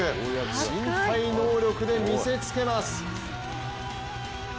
身体能力で見せつけます。